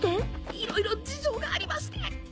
いろいろ事情がありまして。